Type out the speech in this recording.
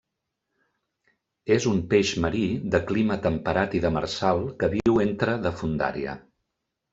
És un peix marí, de clima temperat i demersal que viu entre de fondària.